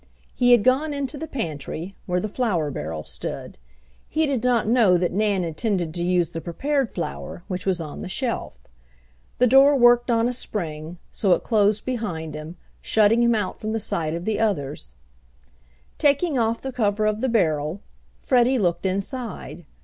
He had gone into the pantry, where the flour barrel stood. He did not know that Nan intended to use the prepared flour, which was on the shelf. The door worked on a spring, so it closed behind him, shutting him out from the sight of the others. Taking off the cover of the barrel, Freddie looked inside.